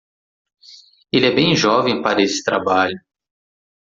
Ele é bem jovem para esse trabalho.